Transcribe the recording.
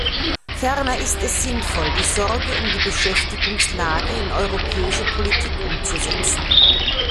Ferner ist es sinnvoll, die Sorge um die Beschäftigungslage in europäische Politik umzusetzen.